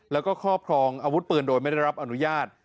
แล้วก็ครอบครองอาวุธปืนโดยไม่ได้รับอนุญาต